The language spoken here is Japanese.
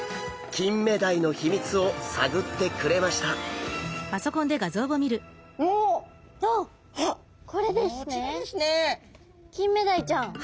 キンメダイちゃん。